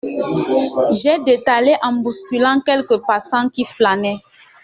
J’ai détalé en bousculant quelques passants qui flânaient.